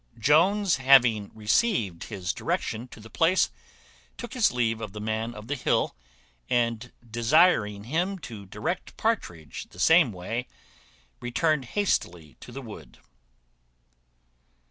Jones having received his direction to the place, took his leave of the Man of the Hill, and, desiring him to direct Partridge the same way, returned hastily to the wood.